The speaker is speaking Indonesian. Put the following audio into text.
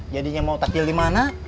jadinya mau takdir di mana